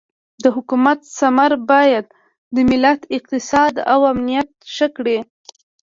د حکومت ثمر باید د ملت اقتصاد او امنیت ښه کړي.